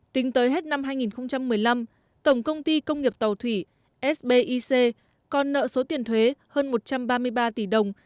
tính tới hết năm hai nghìn một mươi năm tổng công ty công nghiệp tàu thủy sbic còn nợ số tiền thuế hơn một trăm ba mươi ba tỷ đồng